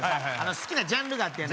好きなジャンルがあってやな